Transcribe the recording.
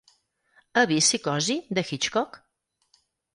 Ha vist Psicosi, de Hitchcock?